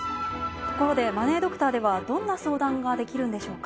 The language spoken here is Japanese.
ところでマネードクターではどんな相談ができるんでしょうか？